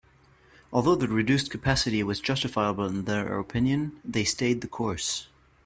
Although the reduced capacity was justifiable in their opinion, they stayed the course.